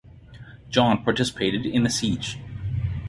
John participated in the siege.